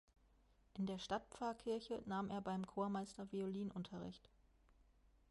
In der Stadtpfarrkirche nahm er beim Chormeister Violinunterricht.